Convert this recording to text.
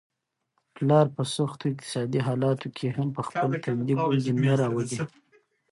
پلار په سختو اقتصادي حالاتو کي هم په خپل تندي ګونجې نه راولي.